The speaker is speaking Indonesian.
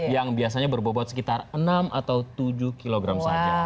yang biasanya berbobot sekitar enam atau tujuh kg saja